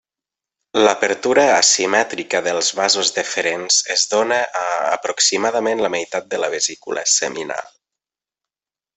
L'apertura asimètrica dels vasos deferents es dóna a aproximadament la meitat de la vesícula seminal.